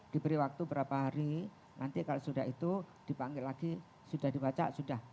diberi waktu berapa hari nanti kalau sudah itu dipanggil lagi sudah dibaca sudah